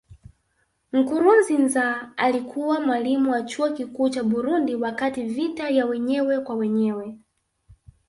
Nkurunziza alikuwa mwalimu wa Chuo Kikuu cha Burundi wakati vita ya wenyewe kwa wenyewe